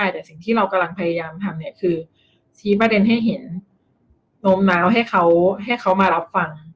แต่สิ่งที่เรากำลังพยายามทำเนี่ยคือชี้ประเด็นให้เห็นโน้มน้าวให้เขาให้เขามารับฟัง